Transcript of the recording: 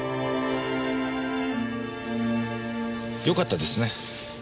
よかったですね。